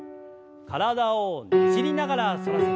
体をねじりながら反らせて。